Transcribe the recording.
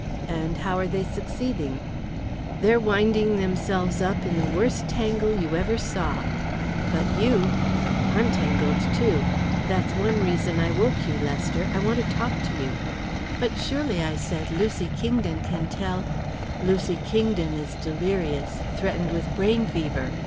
"And how are they succeeding?" "They're winding themselves up in the worst tangle you ever saw " "But you " "I'm tangled, too. That's one reason I woke you, Lester. I want to talk to you." "But surely," I said, "Lucy Kingdon can tell " "Lucy Kingdon is delirious, threatened with brain fever.